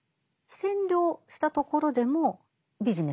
占領したところでもビジネスにする。